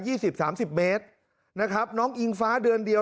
สิบสามสิบเมตรนะครับน้องอิงฟ้าเดือนเดียว